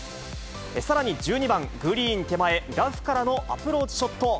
さらに１２番、グリーン手前、ラフからのアプローチショット。